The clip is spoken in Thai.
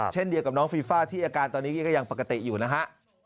เช่นเดียวกับน้องฟีฟ่าที่อาการตอนนี้ก็ยังปกติอยู่นะฮะ